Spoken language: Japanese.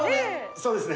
そうですね。